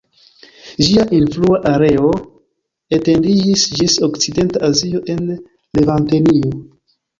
Ĝia influa areo etendiĝis ĝis Okcidenta Azio en Levantenio.